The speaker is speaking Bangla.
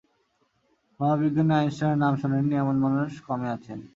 মহাবিজ্ঞানী আইনস্টাইনের নাম শোনেননি এমন মানুষ কমই আছেন।